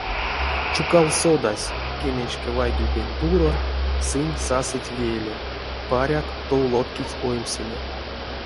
Чукал содась: кеменьшка вайгельпень туро сынь сасыть веле, паряк, тов лоткить оймсеме.